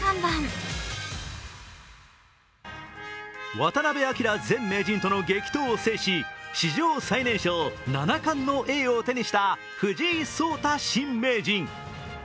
渡辺明前名人との激闘を制し史上最年少七冠の栄誉を手にした藤井聡太新名人。